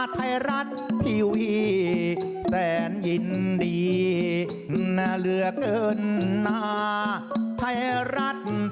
ขอบคุณค่ะ